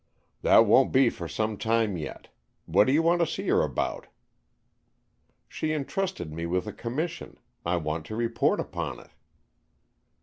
"That won't be for some time yet. What do you want to see her about?" "She entrusted me with a commission. I want to report upon it."